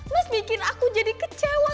mas bikin aku jadi kecewa